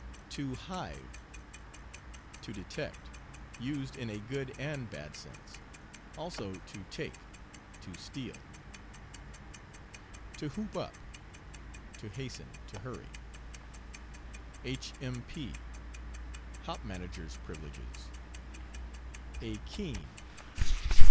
"To hive." To detect, used in a good and bad sense. Also to take, to steal. "To hoop up." To hasten, to hurry. "H. M. P." Hop manager's privileges. "A keen."